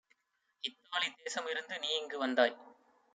"Italy தேசம் இருந்து நீஇங்கு வந்தாய்.